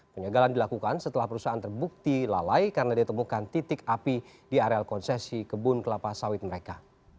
penyegalan dilakukan setelah perusahaan terbukti lalai karena ditemukan titik api di areal konsesi kebun kelapa sawit mereka